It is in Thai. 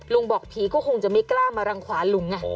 บอกผีก็คงจะไม่กล้ามารังขวาลุงไง